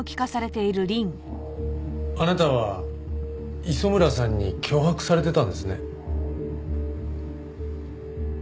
あなたは磯村さんに脅迫されていたんですね。